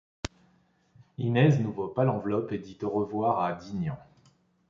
Inez n'ouvre pas l'enveloppe et dit au revoir à Dignan.